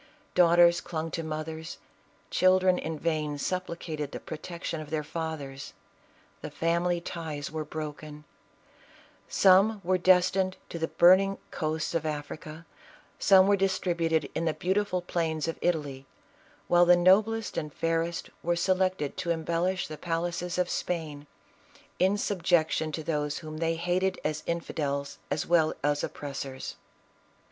Daughters clung to mothers, children in vain supplicated the protection of their fathers ; the family ties were broken ; some were destined to the burning coast of Africa, some to be distributed in the beautiful plains of Italy, while the noblest and fairest were selected to embellish the palaces of Spain, in subjection to those whom they hated as infidels as well as oppressors.